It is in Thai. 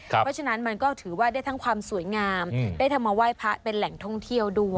เพราะฉะนั้นมันก็ถือว่าได้ทั้งความสวยงามได้ทำมาไหว้พระเป็นแหล่งท่องเที่ยวด้วย